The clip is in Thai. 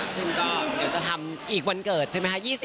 ซึ่งก็จะทำอีกวันเกิดใช่ไหมคะ๒๐ปี